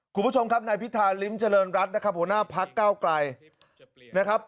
คุณผู้ชมครับนายพิธาริมเจริญรัฐนะครับหัวหน้าพักเก้าไกลนะครับ